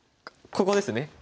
ここですね。